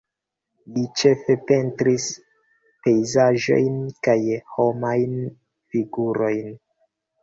Li ĉefe pentris pejzaĝojn kaj homajn figurojn.